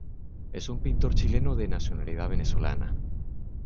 Es un Pintor Chileno de nacionalidad Venezolana.